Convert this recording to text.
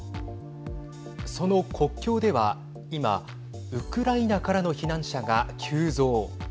その国境では今、ウクライナからの避難者が急増。